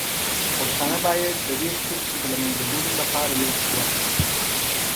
پښتانه باید د دې کرښې د له منځه وړلو لپاره یو قوت وي.